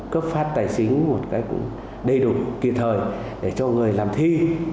cấp phát tài chính một cái cũng đầy đủ kỳ thời để cho người làm thi